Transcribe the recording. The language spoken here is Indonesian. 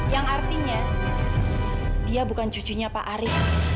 yang artinya dia bukan cucunya pak ari